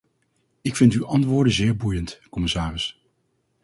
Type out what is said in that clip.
Ik vind uw antwoorden zeer boeiend, commissaris.